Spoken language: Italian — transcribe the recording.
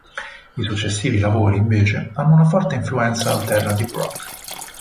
I successivi lavori invece hanno una forte influenza alternative rock.